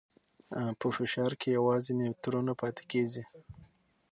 په فشار کې یوازې نیوترونونه پاتې کېږي.